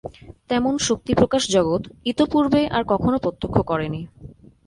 তেমন শক্তি-প্রকাশ জগৎ ইতঃপূর্বে আর কখনও প্রত্যক্ষ করেনি।